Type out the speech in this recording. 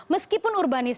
meskipun itu kita lihat bahwa